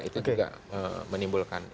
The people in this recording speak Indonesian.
itu juga menimbulkan